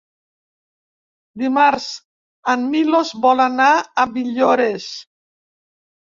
Dimarts en Milos vol anar a Villores.